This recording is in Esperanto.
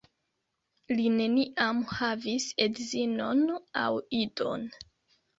Li neniam havis edzinon aŭ idon.